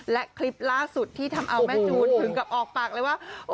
และคลิปล่าสุดที่ทำเอาแม่จูนถึงกับออกปากเลยว่า